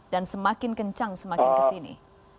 dan semakin kencang semakin kesini